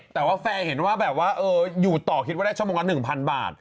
แต่ว่าแฟนเห็นว่าอยู่ต่อคิดว่าได้๑๐๐๐บาท